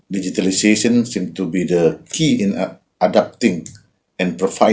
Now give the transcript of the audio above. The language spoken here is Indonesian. digitalisasi sepertinya adalah kunci dalam mengadopsi